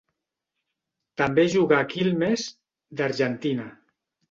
També jugà a Quilmes, d'Argentina.